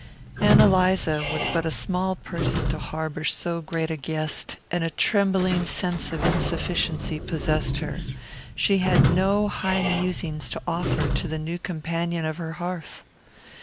Ann Eliza was but a small person to harbour so great a guest, and a trembling sense of insufficiency possessed her. She had no high musings to offer to the new companion of her hearth.